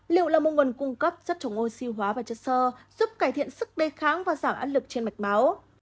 liệu là một nguồn cung cấp rất trống oxy hóa và chất sơ giúp cải thiện sức bê kháng và giảm án lực trên mạch máu